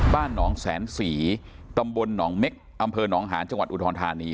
บ้านหนองแสนศรีตำบลหนองเม็กอำเภอหนองหาญจังหวัดอุดรธานี